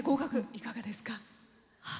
いかがですか？